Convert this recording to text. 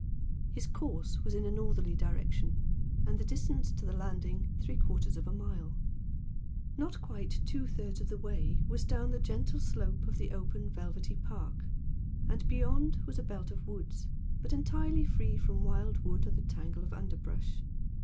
His course was in a northerly direction, and the distance to the landing three quarters of a mile. Not quite two thirds of the way was down the gentle slope of the open, velvety park, and beyond was a belt of woods, but entirely free from wildwood or the tangle of underbrush.